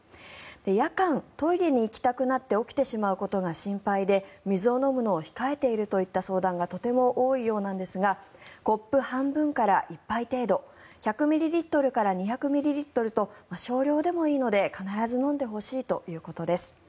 夜間、トイレに行きたくなって起きてしまうことが心配で水を飲むのを控えているといった相談がとても多いようなんですがコップ半分から１杯程度１００ミリリットルから２００ミリリットルと少量でもいいので必ず飲んでほしいということです。